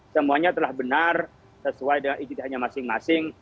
semuanya telah benar sesuai dengan ijidahnya masing masing